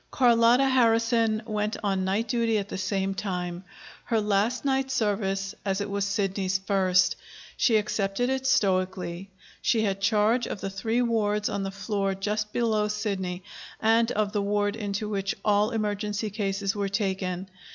Carlotta Harrison went on night duty at the same time her last night service, as it was Sidney's first. She accepted it stoically. She had charge of the three wards on the floor just below Sidney, and of the ward into which all emergency cases were taken.